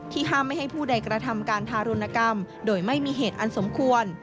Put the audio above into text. ห้ามไม่ให้ผู้ใดกระทำการทารุณกรรมโดยไม่มีเหตุอันสมควร